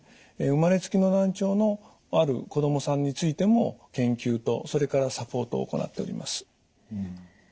生まれつきの難聴のある子供さんについても研究とそれからサポートを行っております。